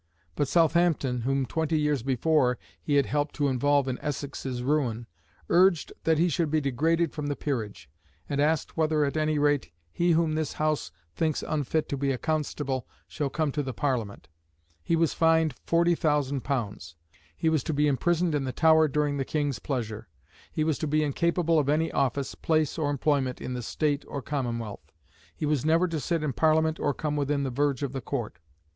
But Southampton, whom twenty years before he had helped to involve in Essex's ruin, urged that he should be degraded from the peerage; and asked whether, at any rate, "he whom this House thinks unfit to be a constable shall come to the Parliament." He was fined £40,000. He was to be imprisoned in the Tower during the King's pleasure. He was to be incapable of any office, place, or employment in the State or Commonwealth. He was never to sit in Parliament or come within the verge of the Court.